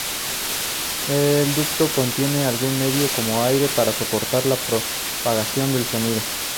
El ducto contiene algún medio, como aire, para soportar la propagación del sonido.